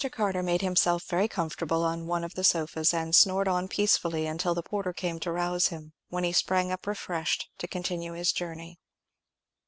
Carter made himself very comfortable on one of the sofas, and snored on peacefully until the porter came to rouse him, when he sprang up refreshed to continue his journey.